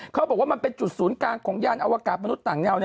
เขาบอกว่ามันเป็นจุดศูนย์กลางของยานอวกาศมนุษย์ต่างแนว